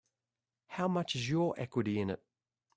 How much is your equity in it?